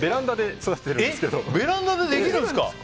ベランダでできるんですか？